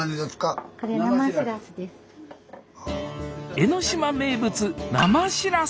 江の島名物生しらす